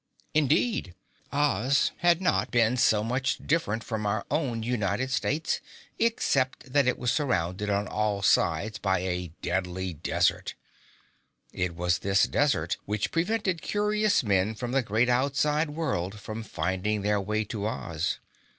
Indeed, Oz had not been so much different from our own United States, except that it was surrounded on all sides by a Deadly Desert. It was this desert which prevented curious men from the great outside world from finding their way to Oz.